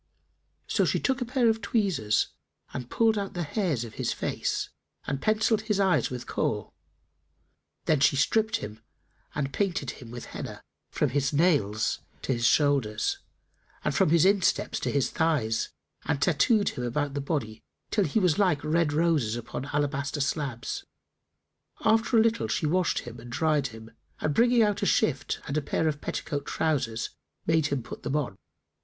So she took a pair of tweezers and pulled out the hairs of his face and pencilled his eyes with Kohl.[FN#293] Then she stripped him and painted him with Henna[FN#294] from his nails to his shoulders and from his insteps to his thighs and tattooed[FN#295] him about the body, till he was like red roses upon alabaster slabs. After a little, she washed him and dried him and bringing out a shift and a pair of petticoat trousers made him put them on.